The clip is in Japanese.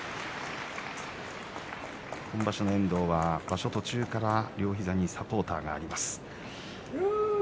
今場所の遠藤は、場所途中から両膝にサポーターがあります。